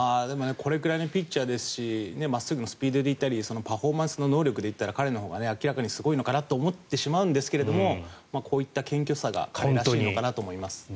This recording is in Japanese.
これくらいのピッチャーですし真っすぐのスピードで言ったりパフォーマンスの高さで言ったら彼のほうが明らかにすごいのかと思ってしまうんですがこういった謙虚さが彼らしいのかなと。